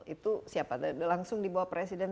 itu siapa langsung dibawa presiden